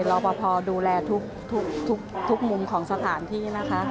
รอปภดูแลทุกมุมของสถานที่นะคะ